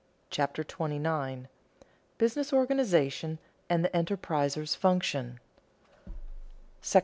CHAPTER 29 BUSINESS ORGANIZATION AND THE ENTERPRISER'S FUNCTION § I.